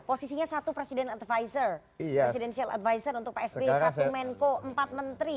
posisinya satu presidential advisor untuk pak sbe satu menko empat menteri